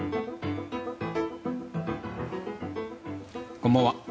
こんばんは。